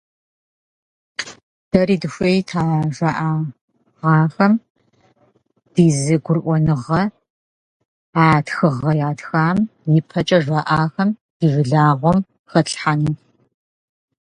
И мы хотели бы высказать кое-какие уточнения к заявлению, сделанному ранее нашей делегацией.